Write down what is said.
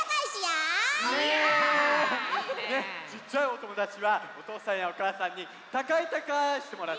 ちっちゃいおともだちはおとうさんやおかあさんにたかいたかいしてもらってね。いいね！